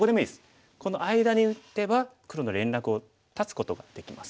この間に打てば黒の連絡を断つことができます。